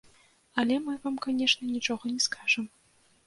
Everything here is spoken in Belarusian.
Але мы вам, канешне, нічога не скажам.